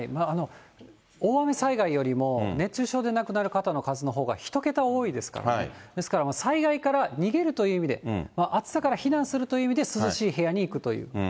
大雨災害よりも、熱中症で亡くなる方の数のほうが１桁多いですからね、ですから、災害から逃げるという意味で、暑さから避難するという意味で、涼しい部屋に行くという。